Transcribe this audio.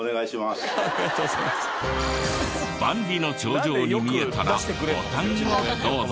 万里の長城に見えたらボタンをどうぞ。